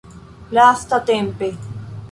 lastatempe